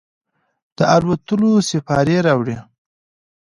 د الوتلو سیپارې راوړي